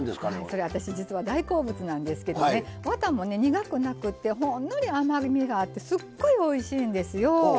それ私、大好物なんですけどワタも苦くなくってほんのり甘みがあってすっごいおいしいんですよ。